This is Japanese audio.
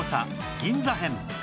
銀座編